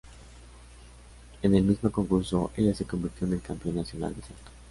En el mismo concurso, ella se convirtió en el campeón nacional de salto.